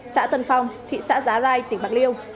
xã tân phong thị xã giá rai tỉnh bạc liêu